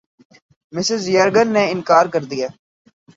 Mrs Jurgen نے اِنکار کِیا